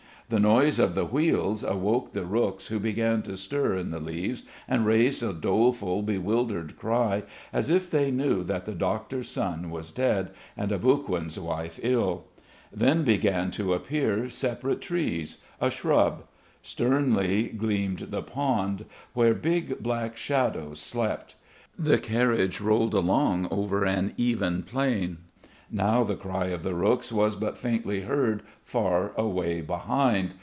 The noise of the wheels awoke the rooks who began to stir in the leaves and raised a doleful, bewildered cry as if they knew that the doctor's son was dead and Aboguin's wife ill. Then began to appear separate trees, a shrub. Sternly gleamed the pond, where big black shadows slept. The carriage rolled along over an even plain. Now the cry of the rooks was but faintly heard far away behind.